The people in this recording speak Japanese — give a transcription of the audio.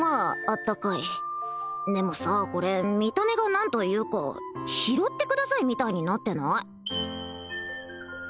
あったかいでもさこれ見た目が何というか拾ってくださいみたいになってない？